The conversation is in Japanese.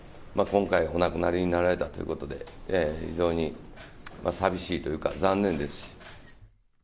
今回、お亡くなりになられたということで、非常に寂しいというか、残念です。